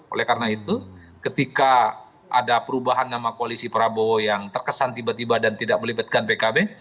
oleh karena itu ketika ada perubahan nama koalisi prabowo yang terkesan tiba tiba dan tidak melibatkan pkb